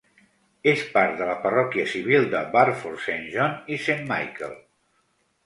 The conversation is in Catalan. És part de la parròquia civil de Barford Saint John i Saint Michael.